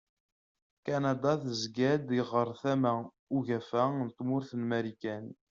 Kanada tezga-d ɣer tama ugafa n tmurt n Marikan.